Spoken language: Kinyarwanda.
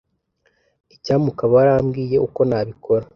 Icyampa ukaba warambwiye uko nabikora.